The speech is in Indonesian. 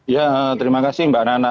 ya terima kasih mbak nana